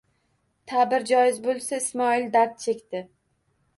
Ta'bir joiz bo'lsa, Ismoil dard chekdi